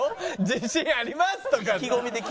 「自信あります」とかさ。